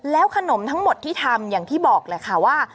แล้วขนมทั้งหมดที่ทำอย่างที่บอกแหละค่ะว่า